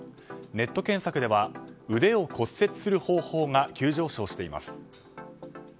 ネット検索では腕を骨折する方法が急上昇しています。